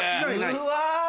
うわ！